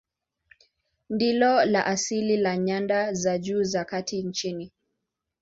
Ndilo la asili la nyanda za juu za kati nchini.